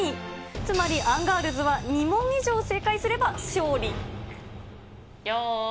つまりアンガールズは２問以上正解すれば、勝利。